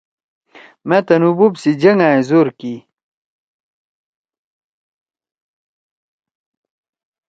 مأ تُنُو بوپ سی جَنگائے زور کی۔